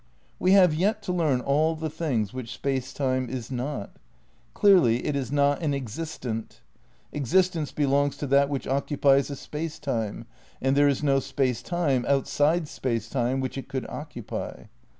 We have yet to learn all the things which Space Time is not. Clearly it is not an existent. '' Existence belongs to that which occupies a Space Time"; and there is no Space Time outside Space Time which it could occupy.